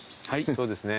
そうですね。